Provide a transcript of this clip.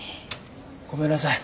ごめんなさい。